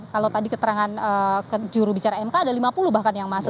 kalau tadi keterangan juru bicara mk ada lima puluh bahkan yang masuk